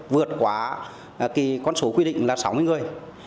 vượt quá con số quy định là sáu mươi người